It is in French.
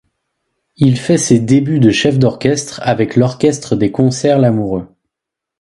Il fait ses débuts de chef d'orchestre avec l'Orchestre des Concerts Lamoureux.